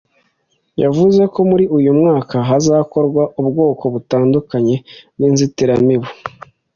yavuze ko muri uyu mwaka hazakorwa ubwoko butandukanye bw’inzitiramibu.